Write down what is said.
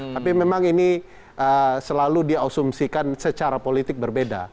tapi memang ini selalu diasumsikan secara politik berbeda